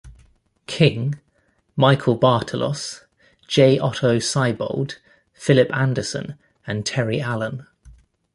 King, Michael Bartalos, J. Otto Seibold, Phillip Anderson, and Terry Allen.